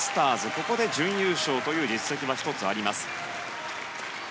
ここで準優勝という実績が１つあります。